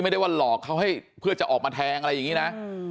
ไม่ได้ว่าหลอกเขาให้เพื่อจะออกมาแทงอะไรอย่างนี้นะ